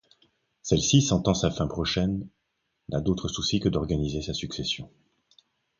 Celle-ci, sentant sa fin prochaine, n’a d’autre souci que d’organiser sa succession.